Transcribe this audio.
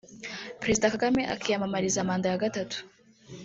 Perezida Kagame akiyamamariza manda ya gatatu